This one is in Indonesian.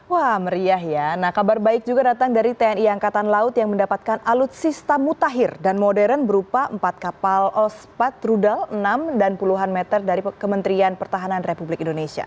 wah meriah ya nah kabar baik juga datang dari tni angkatan laut yang mendapatkan alutsista mutakhir dan modern berupa empat kapal ospat rudal enam dan puluhan meter dari kementerian pertahanan republik indonesia